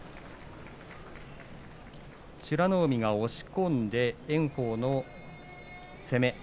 美ノ海が押し込んで炎鵬の攻め。